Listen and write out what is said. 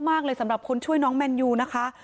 ขอบคุณมากเลยสำหรับคนช่วยน้องแมนยูนะคะ